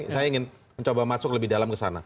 saya ingin coba masuk lebih dalam kesana